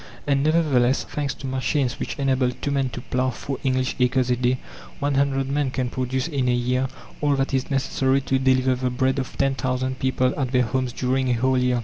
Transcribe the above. And nevertheless, thanks to machines which enable 2 men to plough 4 English acres a day, 100 men can produce in a year all that is necessary to deliver the bread of 10,000 people at their homes during a whole year.